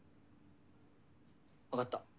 分かった。